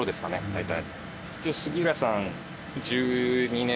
大体。